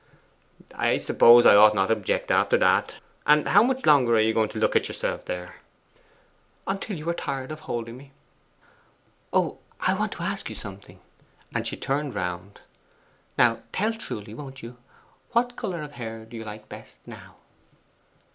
'I suppose I ought not to object after that. And how much longer are you going to look in there at yourself?' 'Until you are tired of holding me? Oh, I want to ask you something.' And she turned round. 'Now tell truly, won't you? What colour of hair do you like best now?